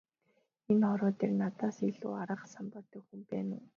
Энэ хорвоо дээр надаас илүү арга самбаатай хүн байна уу?